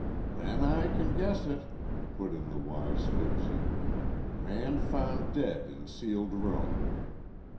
"Then I can guess it," put in the wise Fibsy. "Man found dead in sealed room."